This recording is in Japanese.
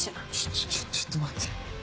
ちょちょっと待って。